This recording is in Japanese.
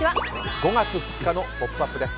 ５月２日の「ポップＵＰ！」です。